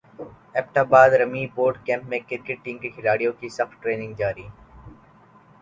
Abbott باد army boot camp میں cricket team کے کھلاڑیوں کی سخت ٹریننگ جاری